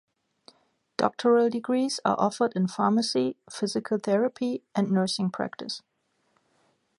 Doctoral degrees are offered in pharmacy, physical therapy, and nursing practice.